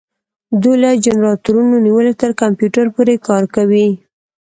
دوی له جنراتورونو نیولې تر کمپیوټر پورې کار کوي.